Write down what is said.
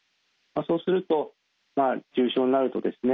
そうすると重症になるとですね